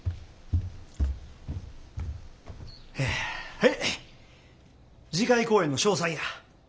はい次回公演の詳細や。